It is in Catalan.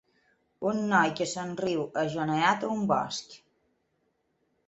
Un noi que somriu agenollat a un bosc